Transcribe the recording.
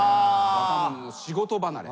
若者の仕事離れ。